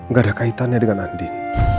gak ada kaitannya dengan andin